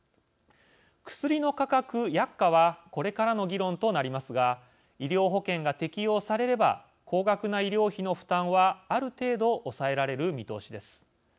薬の価格、薬価はこれからの議論となりますが医療保険が適用されれば高額な医療費の負担はある程度、抑えられる見通しです。